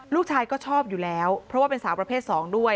ลูกชายก็ชอบอยู่แล้วเพราะว่าเป็นสาวประเภท๒ด้วย